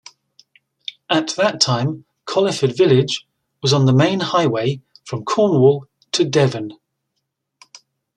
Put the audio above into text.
At that time Coleford village was on the main highway from Cornwall to Devon.